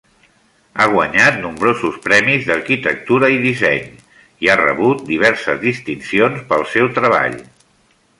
Ha guanyat nombrosos premis d'arquitectura i disseny, i ha rebut diverses distincions pel seu treball.